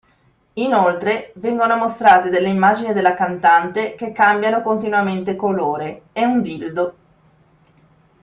Inoltre, vengono mostrate delle immagini della cantante che cambiano continuamente colore e un dildo.